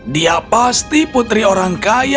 dia pasti putri orang kaya